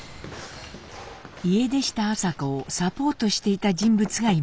家出した麻子をサポートしていた人物がいました。